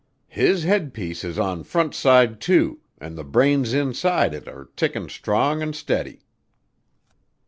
"His headpiece is on frontside to, an' the brains inside it are tickin' strong an' steady."